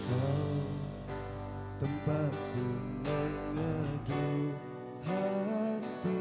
kau tempatku mengadu hati